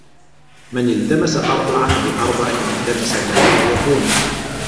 مَنْ الْتَمَسَ أَرْبَعًا بِأَرْبَعٍ الْتَمَسَ مَا لَا يَكُونُ